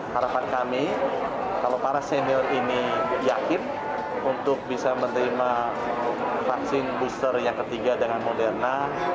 harapan kami kalau para senior ini yakin untuk bisa menerima vaksin booster yang ketiga dengan moderna